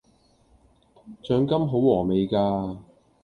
獎金好禾味架!